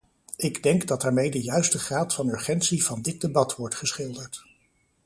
Ik denk dat daarmee de juiste graad van urgentie van dit debat wordt geschilderd.